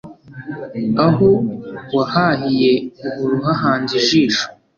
Aho wahahiye uhora uhahanze ijisho